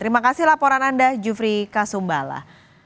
terima kasih laporan anda jufri kasumbala